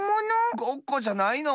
ごっこじゃないの？